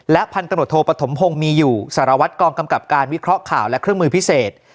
พันตรวจโทปฐมพงศ์มีอยู่สารวัตรกองกำกับการวิเคราะห์ข่าวและเครื่องมือพิเศษ